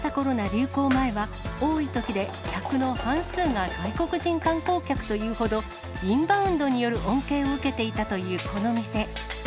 流行前は、多いときで客の半数が外国人観光客というほど、インバウンドによる恩恵を受けていたというこの店。